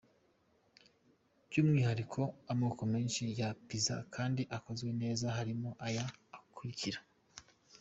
Byumwihariko amoko menshi ya Pizza kandi akozwe neza harimo aya akurikira:.